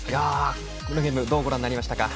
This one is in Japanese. このゲームどうご覧になりましたか。